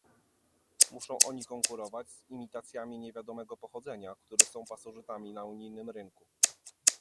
Muszą oni konkurować z imitacjami niewiadomego pochodzenia, które są pasożytami na unijnym rynku